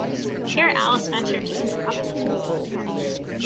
Here Alice ventured to interrupt him.